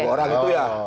orang itu ya